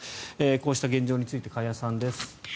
こうした現状について加谷さんです。